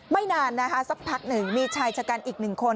ไม่นานนะคะสักพักหนึ่งมีชายชะกันอีกหนึ่งคน